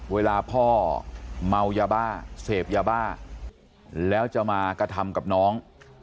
เวลาพ่อเมายาบ้าเสพยาบ้าแล้วจะมากระทำกับน้อง